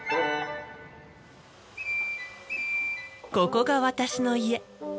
ここが私の家。